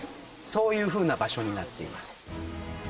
そういう風な場所になっています。